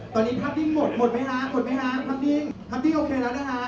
ตอนนี้ทับทิศหมดหมดไหมฮะหมดไหมฮะทับติ้งทับติ้งโอเคแล้วนะฮะ